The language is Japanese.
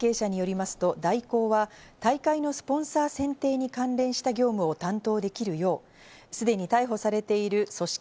関係者によりますと大広は大会のスポンサー選定に関連した業務を担当できるよう、すでに逮捕されている組織